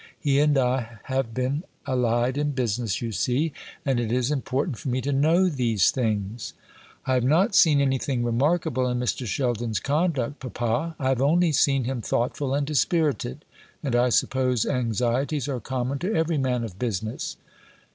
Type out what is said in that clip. He and I have been allied in business, you see, and it is important for me to know these things." "I have not seen anything remarkable in Mr. Sheldon's conduct, papa; I have only seen him thoughtful and dispirited. And I suppose anxieties are common to every man of business."